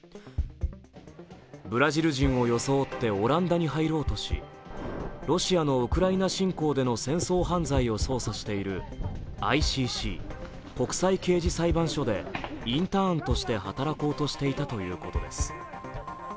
ブラジル人を装ってオランダに入ろうとし、ロシアのウクライナ侵攻での戦争犯罪を捜査しているＩＣＣ＝国際刑事裁判所でインターンとして働こうとしていたということです。